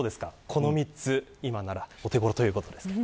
この３つ今ならお手頃ということです。